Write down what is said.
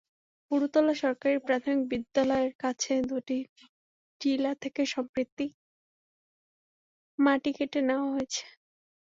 বুরুতলা সরকারি প্রাথমিক বিদ্যালয়ের কাছে দুটি টিলা থেকে সম্প্রতি মাটি কেটে নেওয়া হয়েছে।